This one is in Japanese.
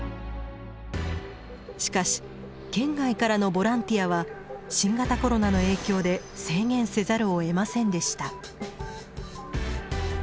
しかし県外からのボランティアは新型コロナの影響で制限せざるをえませんでした。